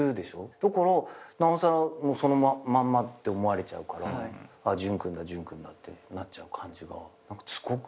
だからなおさらそのまんまって思われちゃうからあっ純君だ純君だってなっちゃう感じがすごくやだった。